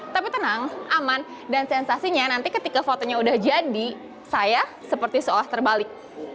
tapi tenang aman dan sensasinya nanti ketika fotonya udah jadi saya seperti seolah terbalik